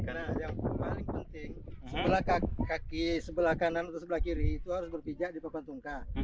karena yang paling penting sebelah kaki sebelah kanan atau sebelah kiri itu harus berpijak di papan tungkah